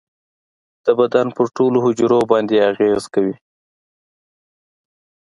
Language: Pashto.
د بدن پر ټولو حجرو باندې اغیزه کوي.